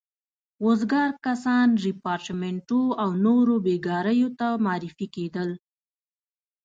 وزګار کسان ریپارټیمنټو او نورو بېګاریو ته معرفي کېدل.